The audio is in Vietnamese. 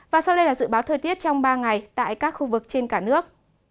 và sau đây là dự báo thời tiết trong ba ngày tại các khu vực trên cả nước